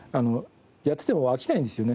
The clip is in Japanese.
やってても飽きないんですよね。